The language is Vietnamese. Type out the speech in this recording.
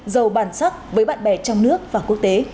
giàu bản sắc với bạn bè trong nước và quốc tế